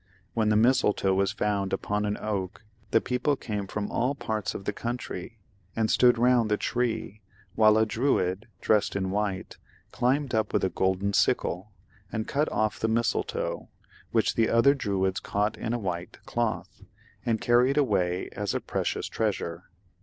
When the mistletoe was found upon an oak, the people came from all parts of the country and stood round the tree, while a Druid, dressed in white, climbed up with a golden sickle, and cut off the mistletoe, which the other Druids caught in a white cloth, and carried away as a precious treasure.